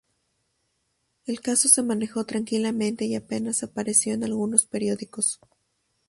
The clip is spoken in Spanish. El caso se manejó tranquilamente y apenas apareció en algunos periódicos.